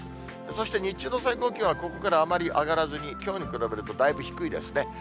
そして日中の最高気温はここからあまり上がらずに、きょうに比べるとだいぶ低いですね。